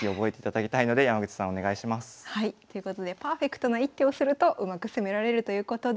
ということでパーフェクトな一手をするとうまく攻められるということです。